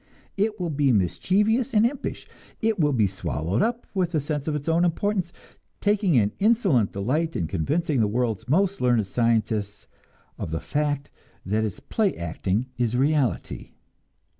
It will be mischievous and impish; it will be swallowed up with a sense of its own importance, taking an insolent delight in convincing the world's most learned scientists of the fact that its play acting is reality.